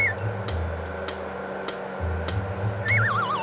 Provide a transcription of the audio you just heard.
นี่